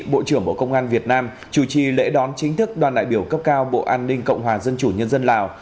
bộ trưởng bộ công an việt nam chủ trì lễ đón chính thức đoàn đại biểu cấp cao bộ an ninh cộng hòa dân chủ nhân dân lào